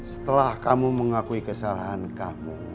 setelah kamu mengakui kesalahan kamu